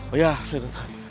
oh ya saya datang